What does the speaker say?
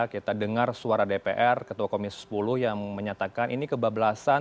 kita dengar suara dpr ketua komisi sepuluh yang menyatakan ini kebablasan